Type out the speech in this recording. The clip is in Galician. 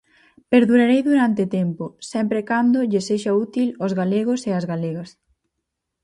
Perdurarei durante tempo, sempre e cando lles sexa útil aos galegos e ás galegas.